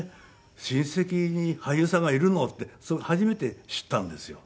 親戚に俳優さんがいるのって初めて知ったんですよ。